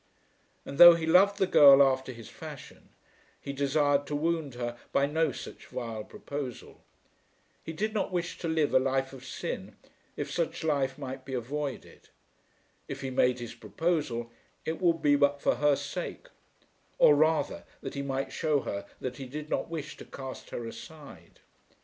And, though he loved the girl after his fashion, he desired to wound her by no such vile proposal. He did not wish to live a life of sin, if such life might be avoided. If he made his proposal, it would be but for her sake; or rather that he might show her that he did not wish to cast her aside.